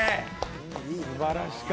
すばらしい。